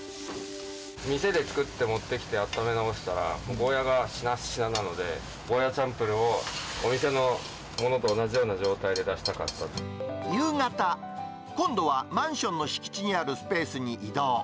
店で作って持ってきて温め直したら、ゴーヤがしなしななので、ゴーヤチャンプルをお店のものと夕方、今度はマンションの敷地にあるスペースに移動。